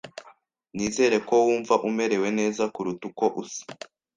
Nizere ko wumva umerewe neza kuruta uko usa.